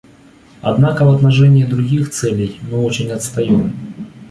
Однако в отношении других целей мы очень отстаем.